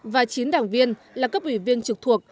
và chín đảng viên là cấp ủy viên trực thuộc